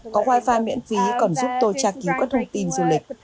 có wifi miễn phí còn giúp tôi tra cứu các thông tin du lịch